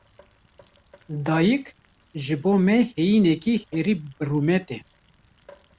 Dayîk, ji bo me heyîneke herî birûmet e.